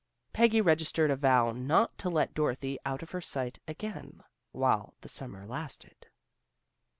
Peggy registered a vow not to let Dorothy out of her sight again while the summer lasted.